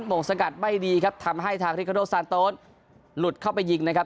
โมงสกัดไม่ดีครับทำให้ทางริคาโดซานโต๊ดหลุดเข้าไปยิงนะครับ